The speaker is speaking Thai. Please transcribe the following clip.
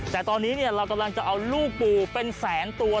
แต่ตอนนี้เรากำลังจะเอาลูกปูเป็นแสนตัว